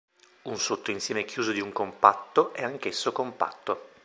Un sottoinsieme chiuso di un compatto è anch'esso compatto.